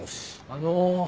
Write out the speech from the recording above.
あの。